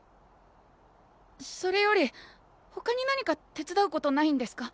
それよりほかに何か手伝うことないんですか？